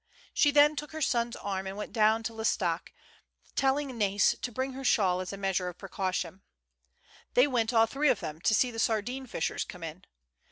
She then took her son s arm and went down to L'Estaque, telling Nais to bring her shawl as a measure of precaution. They went all three of them to see the sardine fishers come in.